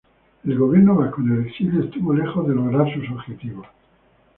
El Gobierno Vasco en el exilio estuvo lejos de lograr sus objetivos.